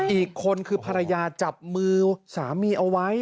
อีกคนคือภรรยาจับมือสามีเอาไว้